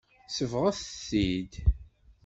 Sebɣeɣ-t-id.